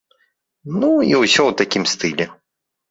Ну, і ўсё ў такім стылі.